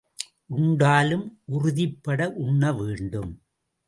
உண்டாலும் உறுதிப்பட உண்ண வேண்டும்.